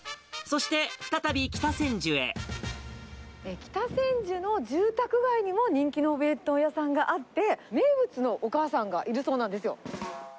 北千住の住宅街にも人気のお弁当屋さんがあって、名物のお母さんがいるそうなんですよ。